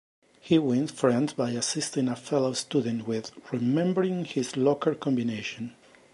He wins friends by assisting a fellow student with remembering his locker combination.